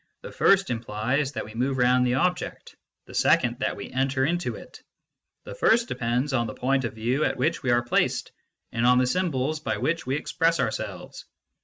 The first implies that we move round the object : the second that we enter into it. The first depends on the point of view at which we are placed and on the symbols by which we express ourselves.